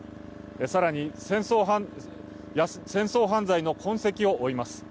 更に、戦争犯罪の痕跡を追います。